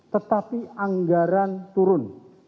tetapi anggaran turun